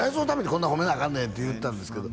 「こんな褒めなアカンねん」って言うてたんですけど